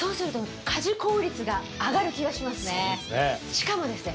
しかもですね。